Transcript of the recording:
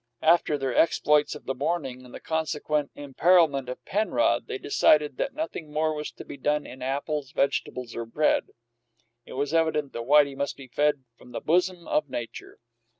After their exploits of the morning, and the consequent imperilment of Penrod, they decided that nothing more was to be done in apples, vegetables, or bread; it was evident that Whitey must be fed from the bosom of nature.